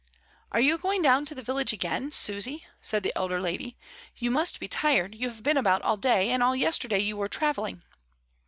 "Are you going down to the village again, Susy?" said the elder lady. "You must be tired, you have been about all day, and all yesterday you were travelling."